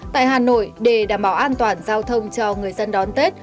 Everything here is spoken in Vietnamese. tại hà nội để đảm bảo an toàn giao thông cho người dân đón tết